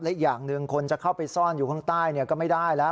อีกอย่างหนึ่งคนจะเข้าไปซ่อนอยู่ข้างใต้ก็ไม่ได้แล้ว